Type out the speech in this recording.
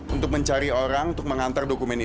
untuk mencari orang untuk mengantar dokumen ini